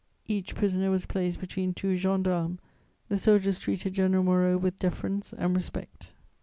Each prisoner was placed between two gendarmes: the soldiers treated General Moreau with deference and respect.